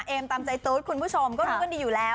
ตามใจตู๊ดคุณผู้ชมก็รู้กันดีอยู่แล้ว